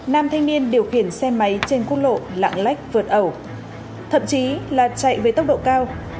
nam thanh niên điều khiển xe máy trên quốc lộ lạng lách vượt ẩu thậm chí là chạy với tốc độ cao